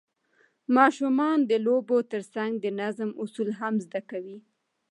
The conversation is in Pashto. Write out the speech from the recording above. ماشومان د لوبو ترڅنګ د نظم اصول هم زده کوي